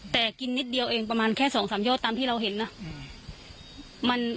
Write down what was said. แต่กินนิดเดียวเองประมาณแค่๒๓ยอดตามที่เราเห็นนะ